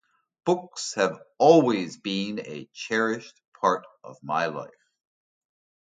Books have always been a cherished part of my life.